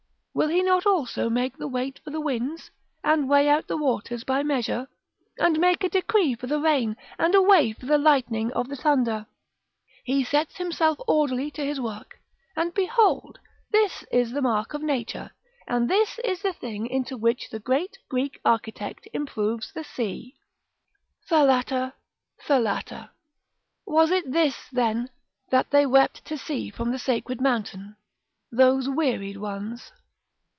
Will he not also make the weight for the winds? and weigh out the waters by measure? and make a decree for the rain, and a way for the lightning of the thunder? He sets himself orderly to his work, and behold! this is the mark of nature, and this is the thing into which the great Greek architect improves the sea [Greek: Thalatta, thalatta]: Was it this, then, that they wept to see from the sacred mountain those wearied ones?